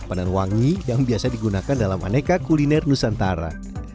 pandan wangi yang biasa digunakan dalam aneka kuliner nusantara